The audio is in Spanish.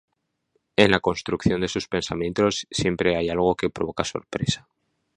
En la construcción de sus pensamientos siempre hay algo que provoca sorpresa.